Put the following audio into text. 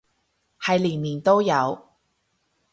係年年都有